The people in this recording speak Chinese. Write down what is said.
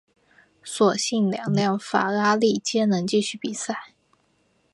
所幸两辆法拉利皆能继续比赛。